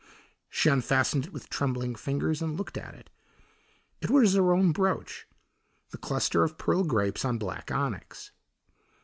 She unfastened it with trembling fingers and looked at it. It was her own brooch, the cluster of pearl grapes on black onyx.